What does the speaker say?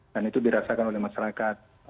dan itu dirasakan oleh masyarakat